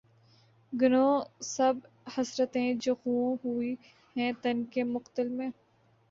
گنو سب حسرتیں جو خوں ہوئی ہیں تن کے مقتل میں